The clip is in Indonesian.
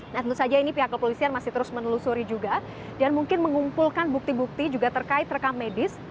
nah tentu saja ini pihak kepolisian masih terus menelusuri juga dan mungkin mengumpulkan bukti bukti juga terkait rekam medis